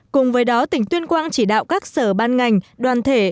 cùng với đó tỉnh tuyên quang chỉ đạo các sở ban ngành đoàn thể